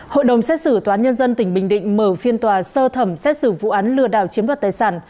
hội đồng xét xử tòa án nhân dân tỉnh bình định mở phiên tòa sơ thẩm xét xử vụ án lừa đảo chiếm đoạt tài sản